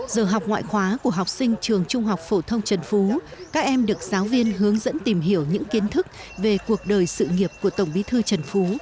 giờ học ngoại khóa của học sinh trường trung học phổ thông trần phú các em được giáo viên hướng dẫn tìm hiểu những kiến thức về cuộc đời sự nghiệp của tổng bí thư trần phú